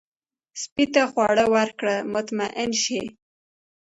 سپي ته خواړه ورکړه، مطمئن شي.